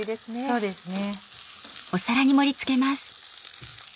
そうですね